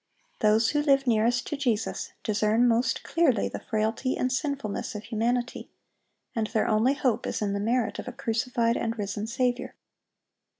Those who live nearest to Jesus discern most clearly the frailty and sinfulness of humanity, and their only hope is in the merit of a crucified and risen Saviour.